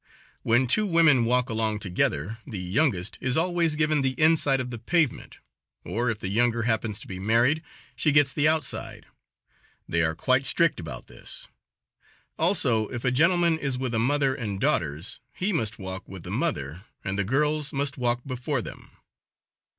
When two women walk along together the youngest is always given the inside of the pavement, or if the younger happens to be married, she gets the outside they are quite strict about this; also, if a gentleman is with a mother and daughters, he must walk with the mother and the girls must walk before them.